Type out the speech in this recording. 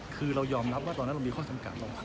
คือเรายอมรับว่าตอนนั้นเรามีข้อจำกัด